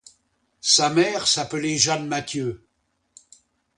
Sa mère s'appelait Jeanne Mathieu.